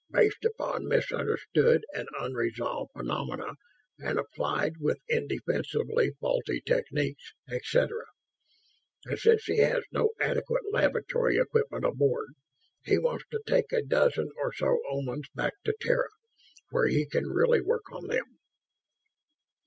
Based upon misunderstood and unresolved phenomena and applied with indefensibly faulty techniques, et cetera. And since he has 'no adequate laboratory equipment aboard', he wants to take a dozen or so Omans back to Terra, where he can really work on them."